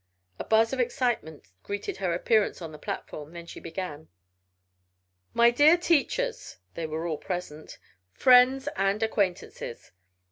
A buzz of excitement greeted her appearance on the platform. Then she began: "My dear teachers (they were all present), friends and acquaintances!"